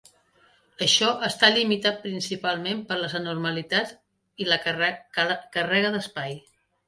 Això està limitat principalment per les anormalitats i la càrrega d'espai.